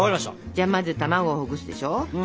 じゃあまずたまごをほぐすでしょ。